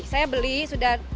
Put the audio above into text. saya beli sudah